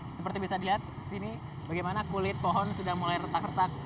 seperti bisa dilihat di sini bagaimana kulit pohon sudah mulai retak retak